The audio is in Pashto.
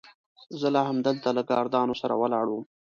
زه لا همدلته له ګاردانو سره ولاړ وم.